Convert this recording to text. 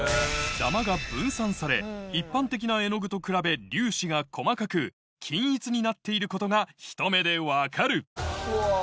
ダマが分散され一般的な絵の具と比べ粒子が細かく均一になっていることがひと目でわかるうわ